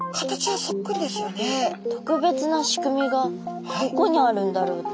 特別な仕組みがどこにあるんだろうって。